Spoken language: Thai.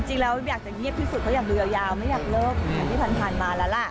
จริงแล้วอยากจะเงียบที่สุดเพราะอยากดูยาวไม่อยากเลิกเหมือนที่ผ่านมาแล้วล่ะ